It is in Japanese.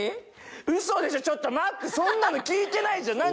ウソでしょちょっと待ってそんなの聞いてないじゃん何？